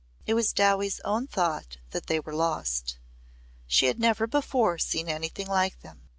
It was Dowie's own thought that they were "lost." She had never before seen anything like them.